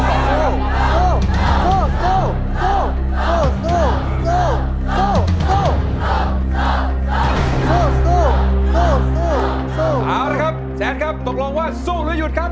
เอาละครับแสนครับตกลงว่าสู้หรือหยุดครับ